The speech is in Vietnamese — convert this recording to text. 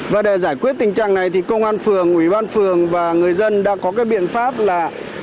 và để giải quyết tình trạng này thì công an phường ủy ban phường và người dân đã có cái biện pháp là